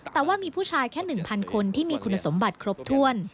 แต่ว่ามีผู้ชายแค่๑๐๐คนที่มีคุณสมบัติครบถ้วน